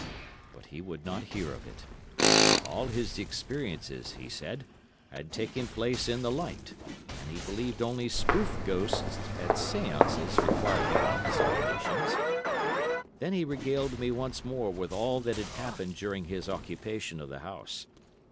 But he would not hear of it. All his experiences, he said, had taken place in the light, and he believed only spoof ghosts at séances required the opposite conditions. Then he regaled me once more with all that had happened during his occupation of the house.